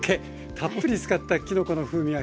たっぷり使ったきのこの風味が際立ちます。